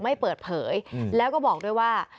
ไม่เปิดเผยแล้วก็บอกด้วยว่า